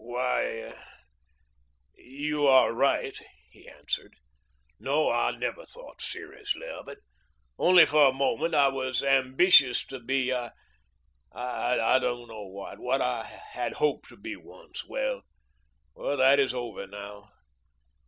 "Why you are right," he answered. "No, I never thought seriously of it. Only for a moment, I was ambitious to be I don't know what what I had hoped to be once well, that is over now.